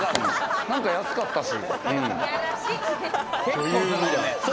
何か安かったし。